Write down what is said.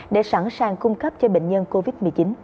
để sẵn sàng cung cấp cho bệnh nhân covid một mươi chín